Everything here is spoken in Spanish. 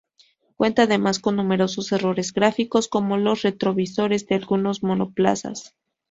Cuenta además con numerosos errores gráficos, como los retrovisores de algunos monoplazas.